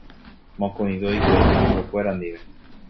Mokõive oiko ipehẽnguekuéra ndive